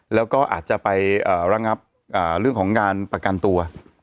แล้วก็อาจจะไประงับเรื่องของการประกันตัว